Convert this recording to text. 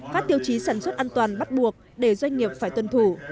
các tiêu chí sản xuất an toàn bắt buộc để doanh nghiệp phải tuân thủ